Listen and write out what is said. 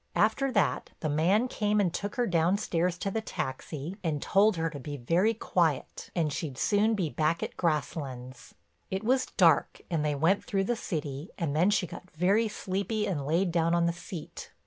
After that the man came and took her downstairs to the taxi and told her to be very quiet and she'd soon be back at Grasslands. It was dark and they went through the city and then she got very sleepy and laid down on the seat.